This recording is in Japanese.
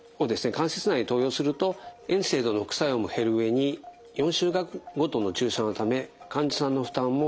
関節内に投与するとＮＳＡＩＤｓの副作用も減る上に４週間ごとの注射のため患者さんの負担も少なくてすみます。